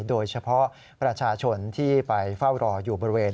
โดยเฉพาะประชาชนที่ไปเฝ้ารออยู่บริเวณ